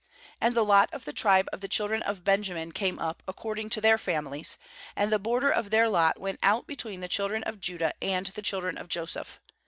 uAnd the lot of the tribe of the children of Benjamin ^ came up ac cording to their families; and the border of their lot went out between the children of Judah and the chil dren of Joseph.